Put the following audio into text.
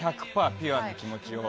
ピュアな気持ちを。